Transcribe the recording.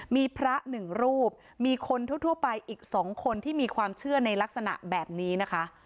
มีพระหนึ่งรูปมีคนทั่วไปอีก๒คนที่มีความเชื่อในลักษณะแบบนี้นะคะ